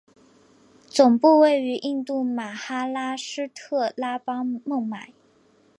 总部位于印度马哈拉施特拉邦孟买。